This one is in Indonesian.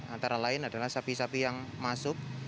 antara lain adalah sapi sapi yang masuk